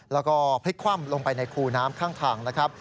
แล้วก็พลิกคว่ำลงไปในคูน้ำข้างทางนะครับ